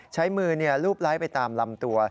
ใช้มือรูปไลค์ไปตามลำตัว